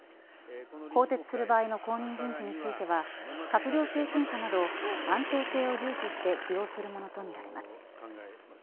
更迭する場合の後任人事については閣僚経験者など安定性を重視して起用するものとみられます。